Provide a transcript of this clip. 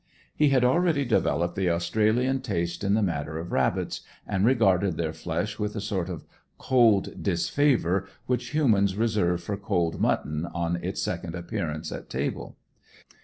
He had already developed the Australian taste in the matter of rabbits, and regarded their flesh with the sort of cold disfavour which humans reserve for cold mutton on its second appearance at table.